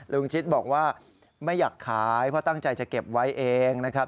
ชิดบอกว่าไม่อยากขายเพราะตั้งใจจะเก็บไว้เองนะครับ